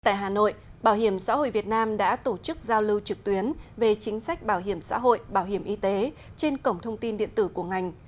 tại hà nội bảo hiểm xã hội việt nam đã tổ chức giao lưu trực tuyến về chính sách bảo hiểm xã hội bảo hiểm y tế trên cổng thông tin điện tử của ngành